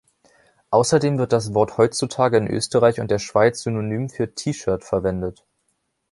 Außerdem wird das Wort heutzutage in Österreich und der Schweiz synonym für T-Shirt verwendet.